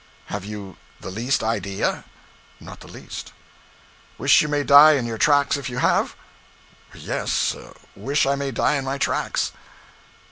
'Haven't you the least idea?' 'Not the least.' 'Wish you may die in your tracks if you have?' 'Yes, wish I may die in my tracks.'